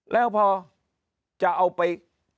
แล้วพอจะเอาไป